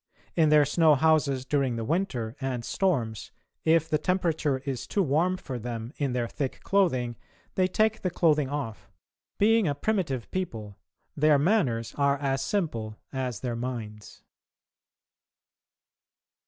In their snow houses during the winter and storms, if the temperature is too warm for them in their thick clothing, they take the clothing off; being a primitive people, their manners are as simple as their minds.